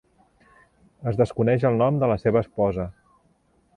Es desconeix el nom de la seva esposa.